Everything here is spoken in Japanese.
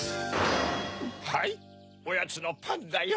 はいおやつのパンだよ。